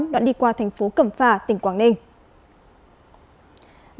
đoạn đi qua thành phố cẩm phà tỉnh quảng ninh